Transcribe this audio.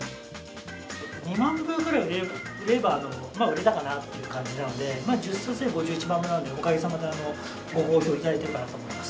２万分ぐらい売れば売れたかなっていう感じなので、１０冊で５１万部なので、おかげさまでご好評いただいているかなと思います。